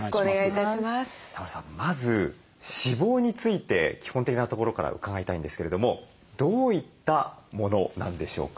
まず脂肪について基本的なところから伺いたいんですけれどもどういったものなんでしょうか？